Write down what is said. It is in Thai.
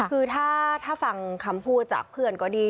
คือถ้าฟังคำพูดจากเพื่อนก็ดี